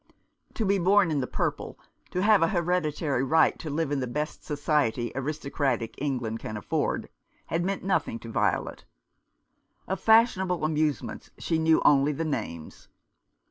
To be born in the purple — to have a hereditary right to live in the best society aristocratic England 221 Rough Justice. can afford — had meant nothing for Violet Of fashionable amusements she knew only the names.